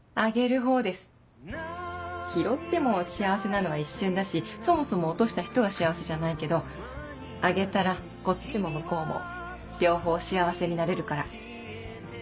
拾っても幸せなのは一瞬だしそもそも落とした人が幸せじゃないけどあげたらこっちも向こうも両方幸せになれるから。